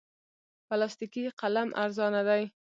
پلاستیکي قلم ارزانه دی.